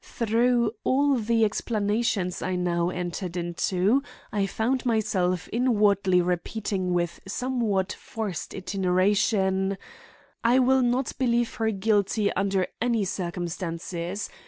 Through all the explanations I now entered into, I found myself inwardly repeating with somewhat forced iteration, "I will not believe her guilty under any circumstances.